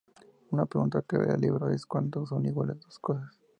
Una pregunta clave en el libro es: "¿Cuándo son iguales dos cosas?